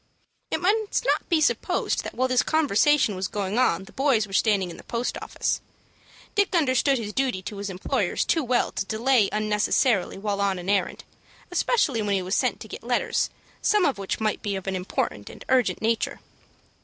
It must not be supposed that while this conversation was going on the boys were standing in the post office. Dick understood his duty to his employers too well to delay unnecessarily while on an errand, especially when he was sent to get letters, some of which might be of an important and urgent nature.